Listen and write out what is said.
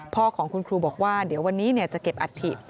พ่อของคุณครูบอกว่าเดี๋ยววันนี้จะเก็บอัฐิ